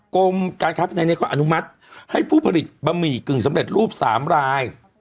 กรมการค้าภายในก็อนุมัติให้ผู้ผลิตบะหมี่กึ่งสำเร็จรูป๓ราย